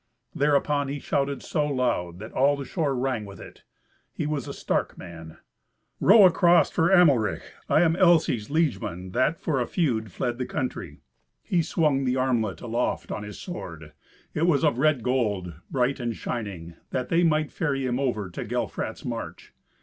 Thereupon he shouted so loud that all the shore rang with it. He was a stark man. "Row across for Amelrich. I am Elsy's liegeman, that, for a feud, fled the country." He swung the armlet aloft on his sword—it was of red gold, bright and shining—that they might ferry him over to Gelfrat's march.